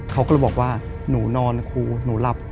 เขาก็เลยบอกว่าหนูนอนครูหนูหลับ